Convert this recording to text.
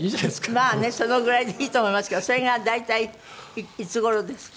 まあねそのぐらいでいいと思いますけどそれが大体いつ頃ですか？